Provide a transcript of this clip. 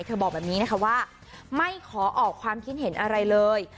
บอกแบบนี้นะคะว่าไม่ขอออกความคิดเห็นอะไรเลย